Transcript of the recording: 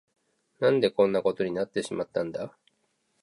何でこんなことになってしまったんだ。